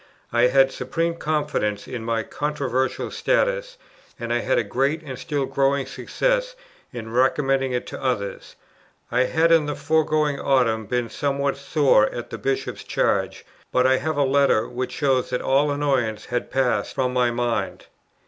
I had supreme confidence in my controversial status, and I had a great and still growing success, in recommending it to others. I had in the foregoing autumn been somewhat sore at the Bishop's Charge, but I have a letter which shows that all annoyance had passed from my mind.